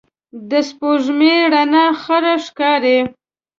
د سپوږمۍ رڼا خړه ښکاري